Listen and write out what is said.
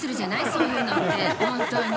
そういうのって本当に。